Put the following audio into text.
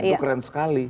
itu keren sekali